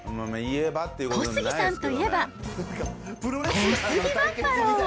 小杉さんといえば、小杉バッファロー。